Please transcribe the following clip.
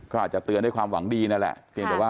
ก็อาจจะเตือนได้ความหวังดีนั่นแหละ